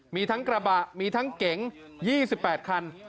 มีทั้งกระบะมีทั้งเก๋งยี่สิบแปดคัน